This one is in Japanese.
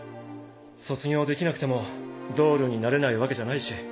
卒業できなくてもドールになれないわけじゃないし。